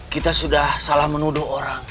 kita sudah salah menuduh orang